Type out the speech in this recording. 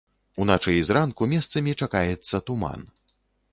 Уначы і зранку месцамі чакаецца туман.